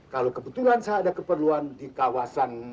kalau kebetulan saya ada keperluan di kawasan